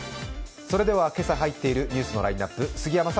今朝入っているニュースのラインナップ、杉山さん